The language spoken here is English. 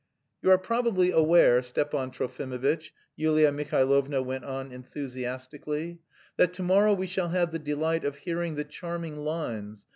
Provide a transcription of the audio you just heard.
"You are probably aware, Stepan Trofimovitch," Yulia Mihailovna went on enthusiastically, "that to morrow we shall have the delight of hearing the charming lines...